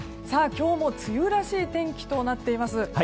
今日も梅雨らしい天気となっています。